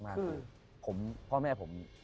คือผมพ่อแม่ผม